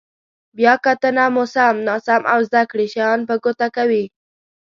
بیا کتنه مو سم، ناسم او زده کړي شیان په ګوته کوي.